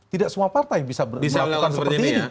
tidak semua partai bisa melakukan seperti ini